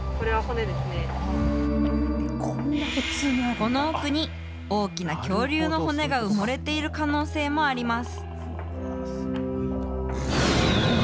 この奥に、大きな恐竜の骨が埋もれている可能性もあります。